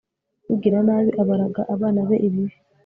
ugira nabi aba araga abana be ibibi